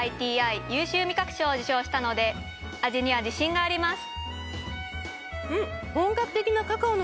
ＩＴＩ優秀味覚賞を受賞したので味には自信があります。